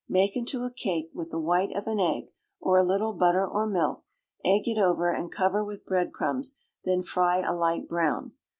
Make into a cake, with the white of an egg, or a little butter or milk; egg it over, and cover with bread crumbs, then fry a light brown.